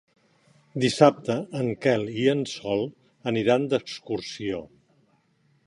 Dissabte en Quel i en Sol aniran d'excursió.